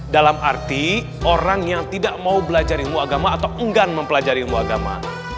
dalam arti orang yang tidak mau belajar ilmu agama atau enggan mempelajari ilmu agama